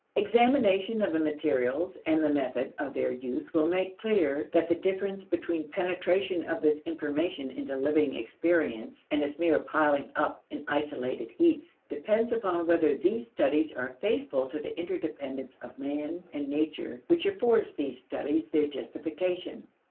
Examination of the materials and the method of their use will make clear that the difference between penetration of this information into living experience and its mere piling up in isolated heaps depends upon whether these studies are faithful to the interdependence of man and nature which affords these studies their justification.